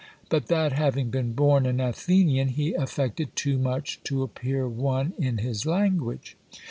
but that having been born an Athenian, he affected too much to appear one in his language.